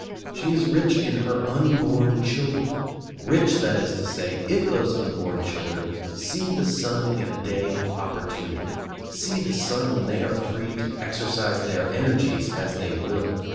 She is rich in her unborn children; rich, that is to say, if those unborn children see the sun in a day of opportunity, see the sun when they are free to exercise their energies as they will.